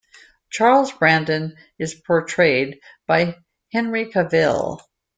Charles Brandon is portrayed by Henry Cavill.